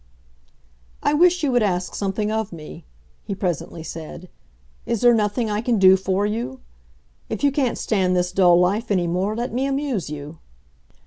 "I wish you would ask something of me," he presently said. "Is there nothing I can do for you? If you can't stand this dull life any more, let me amuse you!"